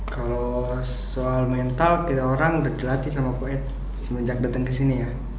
kalau soal mental kita orang udah dilatih sama koet semenjak datang kesini ya